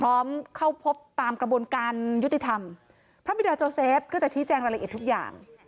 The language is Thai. พร้อมเข้าพบตามกระบวนการยุติธรรมพระบิดาโจเซฟก็จะชี้แจงรายละเอียดทุกอย่าง